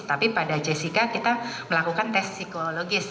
tapi pada jessica kita melakukan tes psikologis